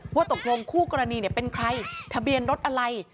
ว่าตกลงคู่กรณีเป็นใครทะเบียนรถอะไร